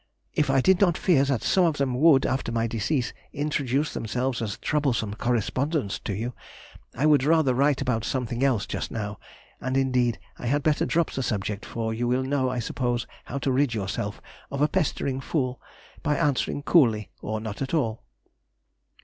If I did not fear that some of them would, after my decease, introduce themselves as troublesome correspondents to you, I would rather write about something else just now, and indeed I had better drop the subject, for you will know, I suppose, how to rid yourself of a pestering fool by answering coolly, or not at all.